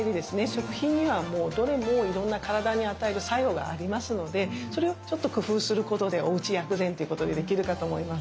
食品にはどれもいろんな体に与える作用がありますのでそれをちょっと工夫することでおうち薬膳ということでできるかと思います。